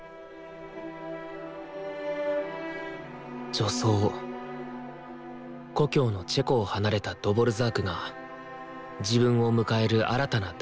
序奏故郷のチェコを離れたドヴォルザークが自分を迎える新たな大地